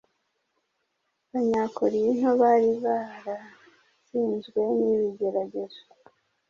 Abanyakorinto bari baratsinzwe n’ibigeragezo